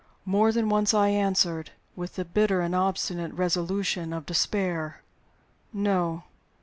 More than once I answered, with the bitter and obstinate resolution of despair: "No.